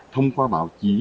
thông qua báo chí